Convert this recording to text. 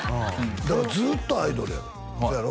だからずっとアイドルやろ？